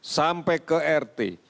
sampai ke rt